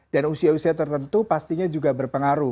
dan usia usia tertentu pastinya juga berpengaruh